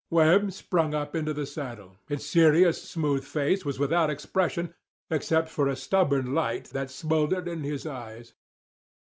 Webb swung up into the saddle. His serious, smooth face was without expression except for a stubborn light that smouldered in his eyes.